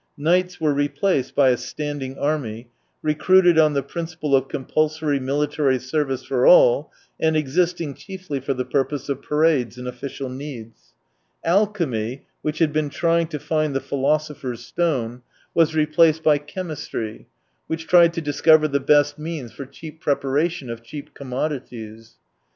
Knights were replaced by a standing army, recruited on the principle of compulsory military service for all, and existing chiefly for the purpose of parades and official needs. Alchemy, which had been trying to find the philosopher's stone, was replaced by 117 chemistry:, which tried to discover the best means for cheap preparation of cheap com modities.